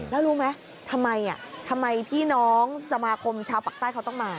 แล้วรู้ไหมทำไมพี่น้องสมาคมชาวปากใต้เขาต้องมา